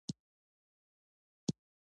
افغانستان د سیندونه له امله شهرت لري.